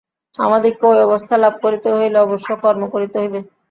আমাদিগকে ঐ অবস্থা লাভ করিতে হইলে অবশ্য কর্ম করিতে হইবে।